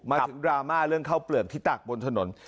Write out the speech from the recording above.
ดราม่าเรื่องข้าวเปลือกที่ตากบนถนน